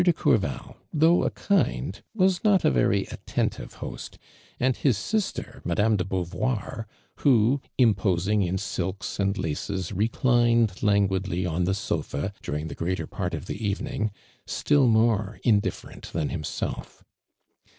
de Courval, though a kind, was not a very attentive host, and his sister, Madame I de Beauvoir, who, imposing in silks and } laces, reclined languidly on ihe sofa during j the greater part of the evening, still more indifferent '.ban himself.